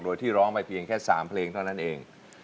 โดยที่ร้องไปเพียงแค่๓เพลงเท่านั้นเอง